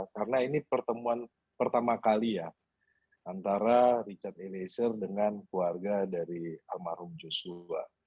karena ini pertemuan pertama kali ya antara richard eliezer dengan keluarga dari almarhum yosua